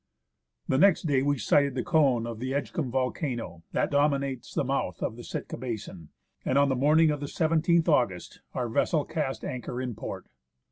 The next day we sighted the cone of the Edgecumbe volcano that dominates the mouth of the Sitka basin ; and on the morn ing of the 1 7th August our vessel cast anchor in port.